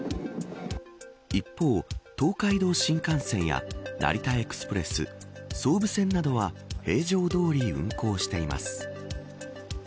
一方、東海道新幹線や成田エクスプレス総武線などは平常通り運行しています。